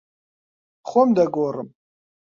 خۆم دەگۆڕم.